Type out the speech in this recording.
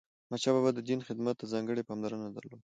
احمدشاه بابا د دین خدمت ته ځانګړی پاملرنه درلوده.